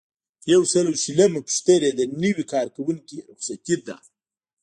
یو سل او شلمه پوښتنه د نوي کارکوونکي رخصتي ده.